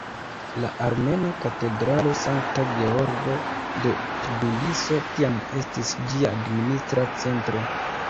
La armena katedralo Sankta Georgo de Tbiliso tiam estis ĝia administra centro.